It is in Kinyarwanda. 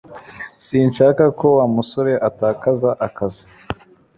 Sinshaka ko Wa musore atakaza akazi